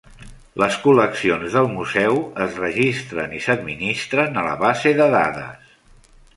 Les col·leccions del Museu es registren i s'administren a la base de dades.